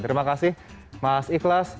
terima kasih mas iqlas